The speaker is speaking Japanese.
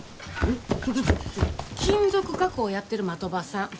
金属加工やってる的場さん。